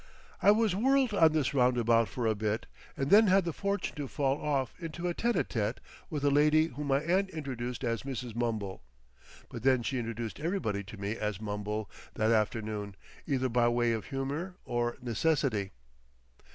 I was whirled on this roundabout for a bit, and then had the fortune to fall off into a tête à tête with a lady whom my aunt introduced as Mrs. Mumble—but then she introduced everybody to me as Mumble that afternoon, either by way of humour or necessity.